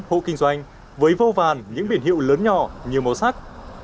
hộ kinh doanh với vô vàn những biển hiệu lớn nhỏ nhiều màu sắc